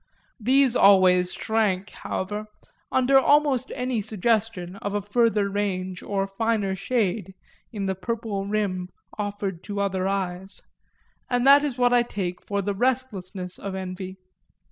These always shrank, however, under almost any suggestion of a further range or finer shade in the purple rim offered to other eyes and that is what I take for the restlessness of envy.